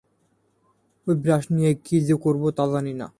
ঐ ব্রাশ নিয়ে কি যে করব, তা জনি না।